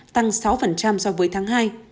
tăng sáu so với tháng hai